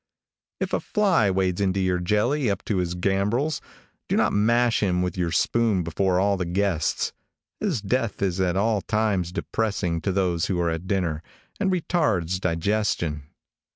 If a fly wades into your jelly up to his gambrels, do not mash him with your spoon before all the guests, as death is at all times depressing to those who are at dinner, and retards digestion.